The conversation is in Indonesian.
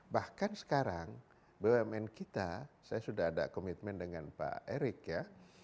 bahkan sekarang bumn kita saya sudah ada komitmen dengan pak erik ya